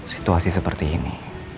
situasi seperti ini